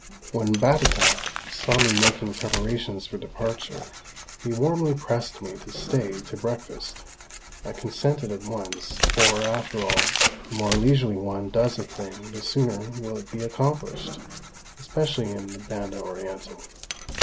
When Batata saw me making preparations for departure, he warmly pressed me to stay to breakfast. I consented at once, for, after all, the more leisurely one does a thing the sooner will it be accomplished especially in the Banda Orientál.